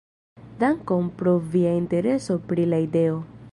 Dankon pro via intereso pri la ideo!